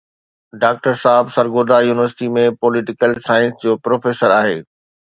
Doctor صاحب Sargodha university ۾ political science جو professor آهي.